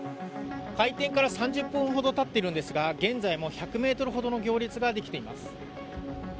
開店から３０分ほど経っているんですが現在も１００ｍほどの行列ができています。